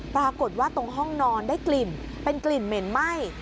ปรากฏว่าตรงห้องนอนได้กลิ่นเป็นกลิ่นเหม็นไหม้